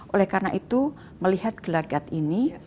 oleh karena itu melihat gelagat ini